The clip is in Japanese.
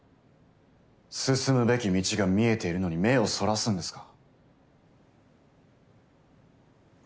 進むべき道が見えているのに目をそらすんははっ。